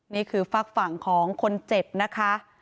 นี่คือฝากฝั่งของคนเจ็บนะคะ